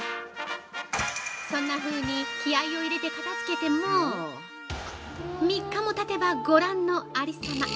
◆そんなふうに気合いを入れて片づけても、３日もたてばご覧のありさま。